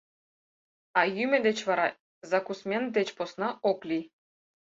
А йӱмӧ деч вара закусмент деч посна ок лий.